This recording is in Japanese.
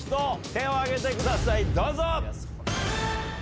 手を挙げてくださいどうぞ。